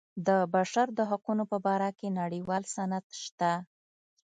د بشر د حقونو په باره کې نړیوال سند شته.